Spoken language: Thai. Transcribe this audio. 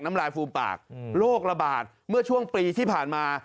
น้ำลายฟูมปากโรคระบาดเมื่อช่วงปีที่ผ่านมา